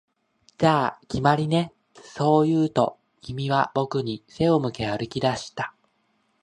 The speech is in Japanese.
「じゃあ、決まりね」、そう言うと、君は僕に背を向け歩き出した